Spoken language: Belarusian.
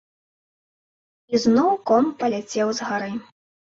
І зноў ком паляцеў з гары.